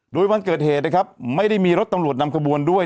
โดยวันเกิดเหตุนะครับไม่ได้มีรถตำรวจนำขบวนด้วย